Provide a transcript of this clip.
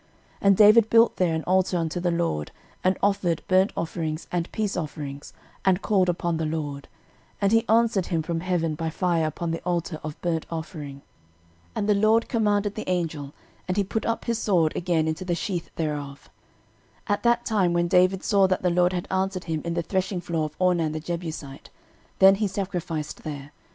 13:021:026 And David built there an altar unto the LORD, and offered burnt offerings and peace offerings, and called upon the LORD; and he answered him from heaven by fire upon the altar of burnt offering. 13:021:027 And the LORD commanded the angel; and he put up his sword again into the sheath thereof. 13:021:028 At that time when David saw that the LORD had answered him in the threshingfloor of Ornan the Jebusite, then he sacrificed there.